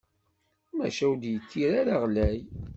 Maca ur d-yekkir ara ɣlay?